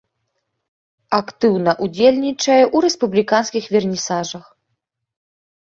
Актыўна ўдзельнічае ў рэспубліканскіх вернісажах.